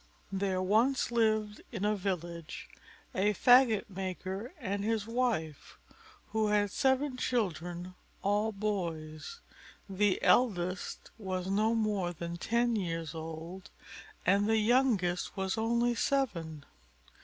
There once lived in a village a faggot maker and his wife, who had seven children, all boys; the eldest was no more than ten years old, and the youngest was only seven.